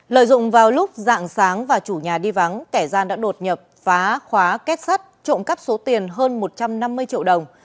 lợi dụng vào lúc dạng sáng và chủ nhà đi vắng kẻ gian đã đột nhập phá khóa kết sắt trộm cắp số tiền hơn một trăm năm mươi triệu đồng